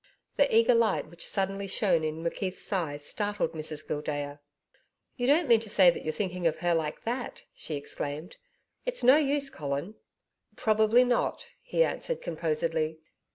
The eager light which suddenly shone in McKeith's eyes startled Mrs Gildea. 'You don't mean to say that you're thinking of her like that?' she exclaimed. 'It's no use, Colin.' 'Probably not,' he answered composedly.